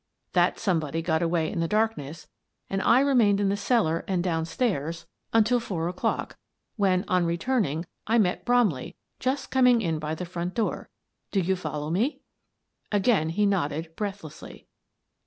That somebody got away in the darkness and I re mained in the cellar and down stairs until four V "I Seem to Be Doomed " 251 o'clock, when, on returning, I met Bromley just coming in by the front door. Do you follow me? " Again he nodded, breathlessly.